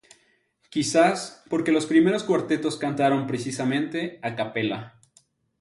Quizás porque los primeros cuartetos cantaron precisamente A Cappella.